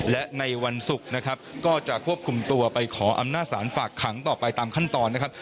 และในวันศุกร์นะครับก็จะควบคุมตัวไปขออำนาจศาลฝากขังต่อไปตามขั้นตอนนะครับ